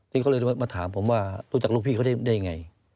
ที่เขาเลยมาถามผมว่ารู้จักลูกพี่เขาได้ยังไง